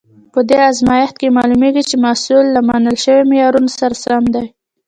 په دې ازمېښت کې معلومیږي چې محصول له منل شویو معیارونو سره سم دی.